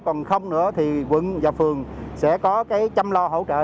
còn không nữa thì quận và phường sẽ có cái chăm lo hỗ trợ